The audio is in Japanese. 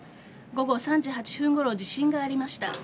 午後３時８分ごろ地震がありました。